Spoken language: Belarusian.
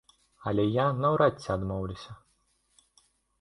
Але я наўрад ці адмоўлюся.